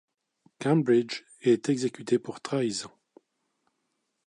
Cambridge est exécuté pour trahison.